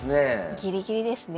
ギリギリですね。